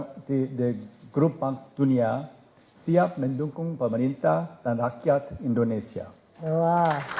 kami semua di grup bank dunia siap mendukung pemerintah dan rakyat indonesia